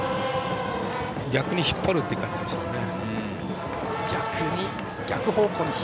逆に引っ張るという感じですね。